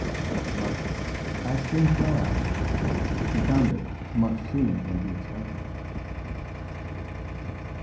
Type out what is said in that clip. But, as things fell out, he found it much sooner than he expected.